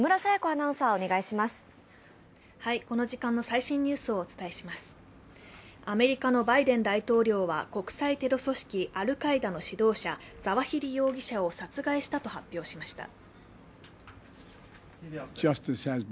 アメリカのバイデン大統領は国際テロ組織、アルカイダの指導者、ザワヒリ容疑者を殺害したと発表しました。